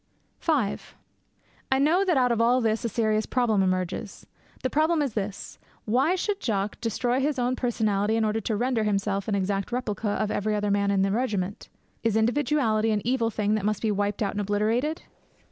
V I know that out of all this a serious problem emerges. The problem is this: why should Jock destroy his own personality in order to render himself an exact replica of every other man in the regiment? Is individuality an evil thing that must be wiped out and obliterated?